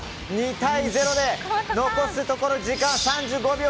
２対０で、残すところ時間は３５秒。